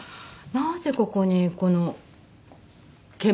なぜここにこの鍵盤？